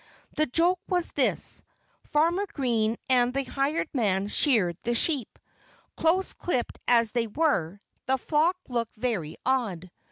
_ Page 115] The joke was this: Farmer Green and the hired man sheared the sheep. Close clipped as they were, the flock looked very odd.